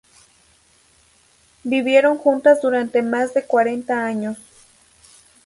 Vivieron juntas durante más de cuarenta años.